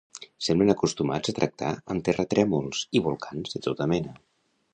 Semblen acostumats a tractar amb terratrèmols i volcans de tota mena.